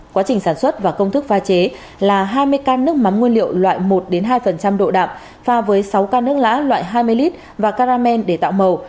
quá trình sản xuất và công thức pha chế là hai mươi can nước mắm nguyên liệu loại một hai độ đạm pha với sáu can nước lá loại hai mươi lít và karamen để tạo màu